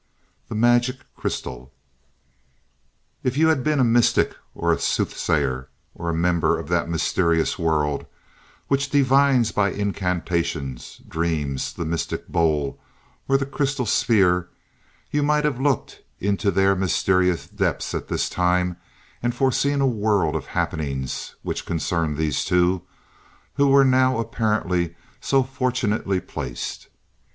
The Magic Crystal If you had been a mystic or a soothsayer or a member of that mysterious world which divines by incantations, dreams, the mystic bowl, or the crystal sphere, you might have looked into their mysterious depths at this time and foreseen a world of happenings which concerned these two, who were now apparently so fortunately placed.